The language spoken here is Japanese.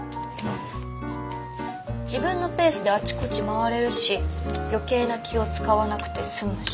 自分のペースであちこち回れるし余計な気をつかわなくて済むし。